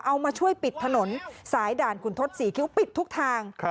เอามาช่วยปิดถนนสายด่านขุนทศ๔คิ้วปิดทุกทาง